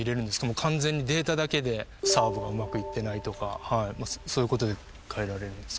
もう完全にデータだけでサーブがうまくいってないとかそういうことで代えられるんですか？